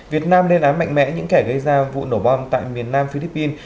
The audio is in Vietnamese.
việt nam lên án mạnh mẽ những kẻ gây ra vụ nổ bom tại miền nam philippines